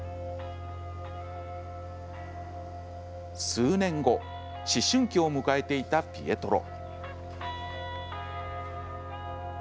数年後、思春期を迎えていたピエトロ。